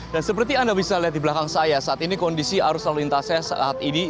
dan seperti anda bisa lihat di belakang saya saat ini kondisi arus lalu lintasnya saat ini